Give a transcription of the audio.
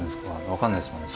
分かんないですもんね。